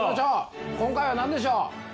今回は何でしょう？